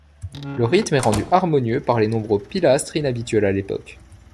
Le rythme est rendu harmonieux par les nombreux pilastres inhabituels à l'époque.